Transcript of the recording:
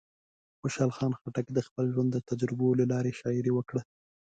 خوشحال خان خټک د خپل ژوند د تجربو له لارې شاعري وکړه.